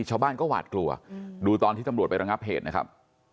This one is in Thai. ชาวบ้านก็หวาดกลัวดูตอนที่ตำรวจไประงับเหตุนะครับ